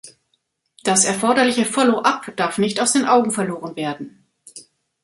Das erforderliche follow-up darf nicht aus den Augen verloren werden.